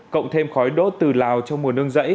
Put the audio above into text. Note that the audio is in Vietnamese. cộng thêm khói đốt từ lào trong mùa nương rẫy